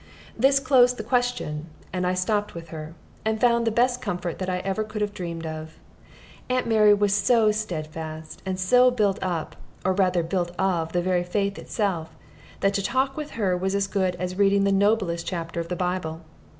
This closed the question, and I stopped with her, and found the best comfort that I ever could have dreamed of. "Aunt Mary" was so steadfast, and so built up with, or rather built of, the very faith itself, that to talk with her was as good as reading the noblest chapter of the Bible.